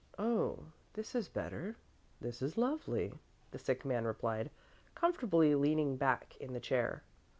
"Oh, this is better, this is lovely," the sick man replied, comfortably leaning back in the chair.